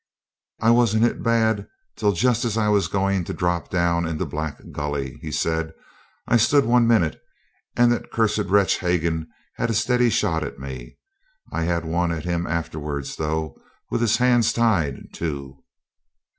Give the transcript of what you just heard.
'I wasn't hit bad till just as I was going to drop down into Black Gully,' he said. 'I stood one minute, and that cursed wretch Hagan had a steady shot at me. I had one at him afterwards, though, with his hands tied, too.'